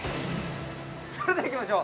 ◆それではいきましょう。